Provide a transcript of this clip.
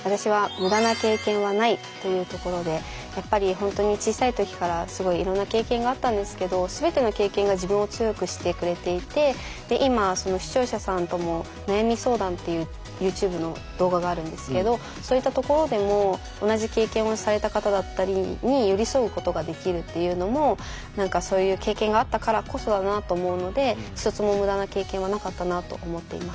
はい私はやっぱりほんとに小さい時からすごいいろんな経験があったんですけど全ての経験が自分を強くしてくれていてで今視聴者さんとも悩み相談っていうユーチューブの動画があるんですけどそういった所でも同じ経験をされた方だったりに寄り添うことができるっていうのもそういう経験があったからこそだなと思うので一つも無駄な経験はなかったなあと思っています。